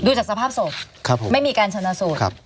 ดูจากสภาพสุดไม่มีการชนะสูตรครับ